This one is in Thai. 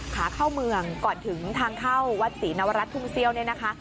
ขาเข้าเมืองก่อนถึงทางเข้าวัดศรีนวรัฐทุ่งเซี่ยวเนี่ยนะคะ